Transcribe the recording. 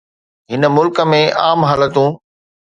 هن ملڪ ۾ عام حالتون.